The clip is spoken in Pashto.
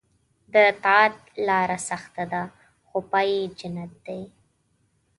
د طاعت لاره سخته ده خو پای یې جنت دی.